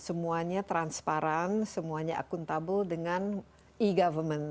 semuanya transparan semuanya akuntabel dengan e government